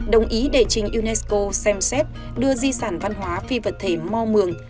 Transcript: đồng ý đề trình unesco xem xét đưa di sản văn hóa phi vật thể mong mường